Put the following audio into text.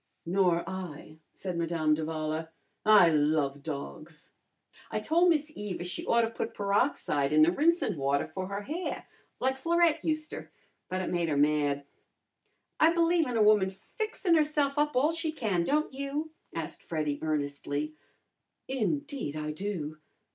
"Nor I," said Madame d'Avala; "I love dogs." "I tole Miss Eva she ought to put peroxide in the rinsin' water for her hair like Florette useter, but it made her mad. I b'lieve in a woman fixin' herself up all she can, don't you?" asked Freddy earnestly. "Indeed, I do!